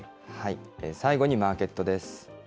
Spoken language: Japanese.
最後にマーケットです。